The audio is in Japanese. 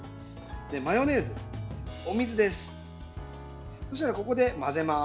マヨネーズ、お水です。